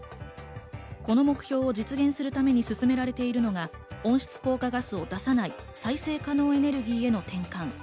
この目標を実現するために進められているのが温室効果ガスを出さない再生可能エネルギーへの転換。